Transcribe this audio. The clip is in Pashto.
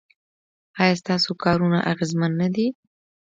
ایا ستاسو کارونه اغیزمن نه دي؟